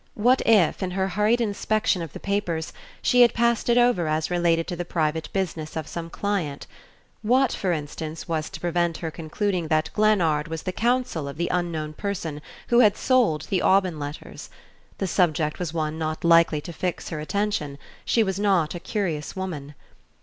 What if, in her hurried inspection of the papers, she had passed it over as related to the private business of some client? What, for instance, was to prevent her concluding that Glennard was the counsel of the unknown person who had sold the "Aubyn Letters." The subject was one not likely to fix her attention she was not a curious woman.